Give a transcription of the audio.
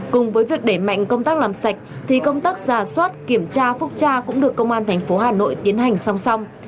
cùng với việc để mạnh công tác làm sạch thì công tác giả soát kiểm tra phúc tra cũng được công an tp hà nội tiến hành song song